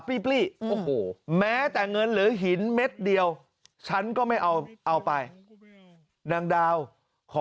ลี้โอ้โหแม้แต่เงินหรือหินเม็ดเดียวฉันก็ไม่เอาเอาไปนางดาวขอ